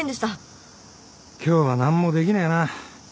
今日は何もできねえな。